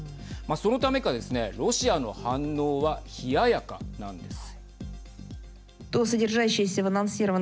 そのためかですねロシアの反応は冷ややかなんです。